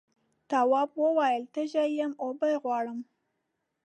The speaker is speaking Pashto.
تواب وویل تږی یم اوبه غواړم.